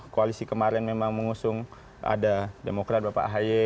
koalisi kemarin memang mengusung ada demokrat bapak ahaye